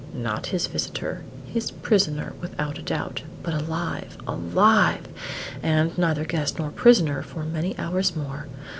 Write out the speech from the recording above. Not his visitor; his prisoner, without a doubt; but alive! alive! and, neither guest nor prisoner for many hours more.